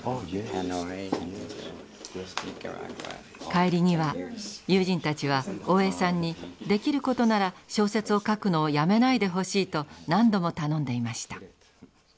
帰りには友人たちは大江さんにできることなら小説を書くのをやめないでほしいと何度も頼んでいました。